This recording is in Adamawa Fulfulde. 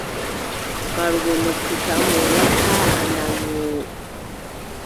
Marugo noppi kam, wonataa a nanoowo.